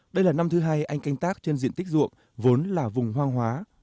đây là năm thứ hai anh canh tác trên diện tích ruộng vốn là vùng hoang hóa